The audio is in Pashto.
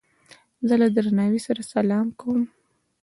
زه له درناوي سره سلام کوم.